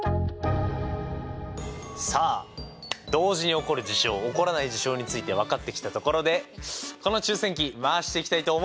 さあ同時に起こる事象起こらない事象について分かってきたところでこの抽選器回していきたいと思います。